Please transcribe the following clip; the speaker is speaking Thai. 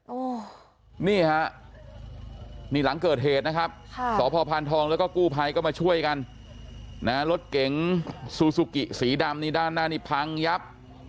โอ้โหนี่ฮะนี่หลังเกิดเหตุนะครับค่ะสพพานทองแล้วก็กู้ภัยก็มาช่วยกันนะฮะรถเก๋งซูซูกิสีดำนี่ด้านหน้านี่พังยับ